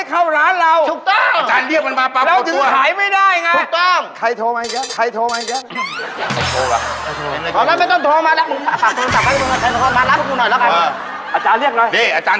ขนละมุกอาจารย์